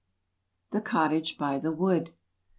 THE COTTAGE BY THE WOOD.